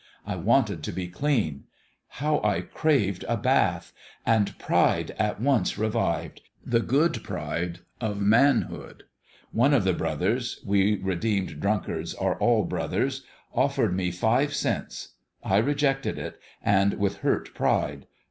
I wanted to be clean. How I craved a bath 1 And pride at once revived the good pride of manhood. One of the brothers we redeemed drunkards are all brothers offered me five cents. I rejected it and with hurt pride.